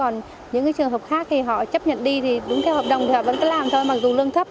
còn những trường hợp khác thì họ chấp nhận đi thì đúng theo hợp đồng thì họ vẫn cứ làm thôi mặc dù lương thấp